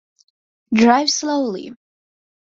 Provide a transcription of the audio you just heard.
Drive slowly.